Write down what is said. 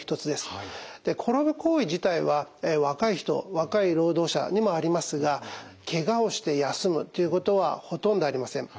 転ぶ行為自体は若い人若い労働者にもありますがケガをして休むということはほとんどありません。